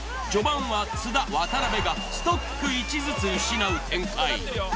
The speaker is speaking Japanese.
序盤は津田渡辺がストック１ずつ失う展開。